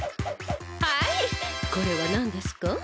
はいこれはなんですか？